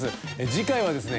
次回はですね